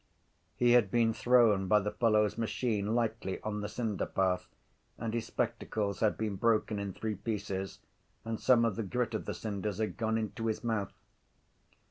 He had been thrown by the fellow’s machine lightly on the cinderpath and his spectacles had been broken in three pieces and some of the grit of the cinders had gone into his mouth.